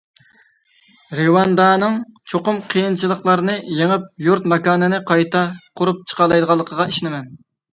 رىۋاندانىڭ چوقۇم قىيىنچىلىقلارنى يېڭىپ، يۇرت- ماكانىنى قايتا قۇرۇپ چىقالايدىغانلىقىغا ئىشىنىمەن.